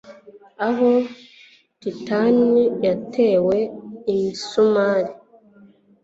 Aho titani yatewe imisumari